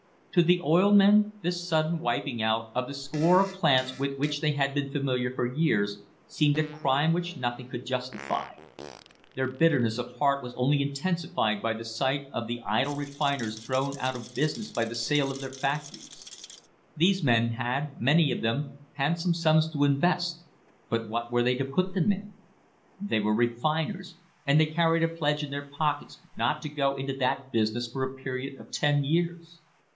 To the oil men this sudden wiping out of the score of plants with which they had been familiar for years seemed a crime which nothing could justify. Their bitterness of heart was only intensified by the sight of the idle refiners thrown out of business by the sale of their factories. These men had, many of them, handsome sums to invest, but what were they to put them in? They were refiners, and they carried a pledge in their pockets not to go into that business for a period of ten years.